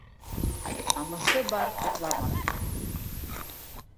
Намыҫы бар урламаҫ